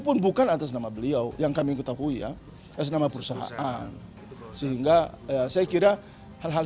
pun bukan atas nama beliau yang kami ketahui ya senama perusahaan sehingga saya kira hal hal